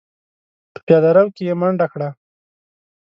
په پياده رو کې يې منډه کړه.